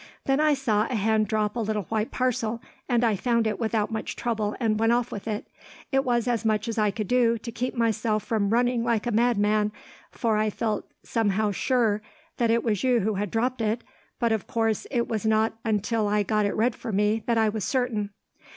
Then I saw a hand drop a little white parcel, and I found it without much trouble and went off with it. It was as much as I could do, to keep myself from running like a madman, for I felt somehow sure that it was you who had dropped it, but of course, it was not until I got it read for me that I was certain.